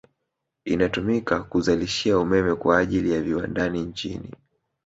Inatumika kuzalishia umeme kwa ajili ya viwandani nchini